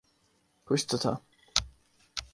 کچھ تو تھا۔